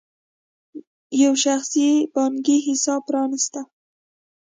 یو شخصي بانکي حساب پرانېسته.